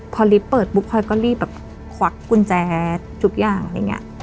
พอลิฟต์เปิดปุ๊บพลอยก็รีบแบบควักกุญแจทุกอย่างอะไรอย่างนี้